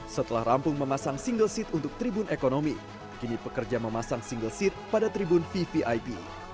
setelah rampung memasang single seat untuk tribun ekonomi kini pekerja memasang single seat pada tribun vvip